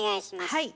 はい。